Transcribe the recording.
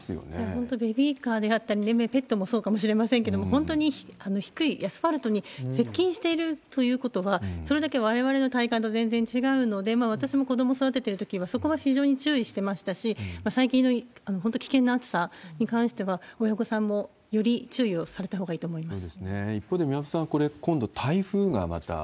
本当、ベビーカーであったり、ペットもそうかもしれませんけれども、本当に低い、アスファルトに接近しているということは、それだけわれわれの体感と全然違うので、私も子ども育ててるときはそこは非常に注意してましたし、最近の本当危険な暑さに関しては、親御さんもより注意をされたほうがいいと思います。